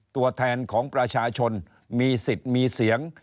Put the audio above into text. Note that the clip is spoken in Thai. ตัวแทนของประชาชนมีสิทธิ์มีเสียง